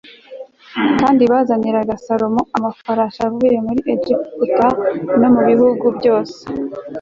kandi bazaniraga salomo amafarashi avuye mu egiputa no mu bihugu byose